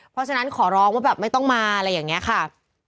เพราะฉะนั้นขอร้องว่าแบบไม่ต้องมาอะไรอย่างนี้ค่ะ